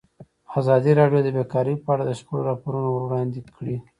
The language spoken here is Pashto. ازادي راډیو د بیکاري په اړه د شخړو راپورونه وړاندې کړي.